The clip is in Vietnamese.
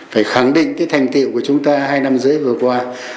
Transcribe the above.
phải khẳng định cái thành tiệu của chúng ta hai năm rưỡi vừa qua